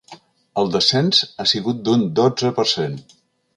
El descens ha sigut d’un dotze per cent.